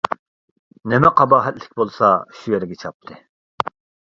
نېمە قاباھەتلىك بولسا شۇ يەرگە چاپتى.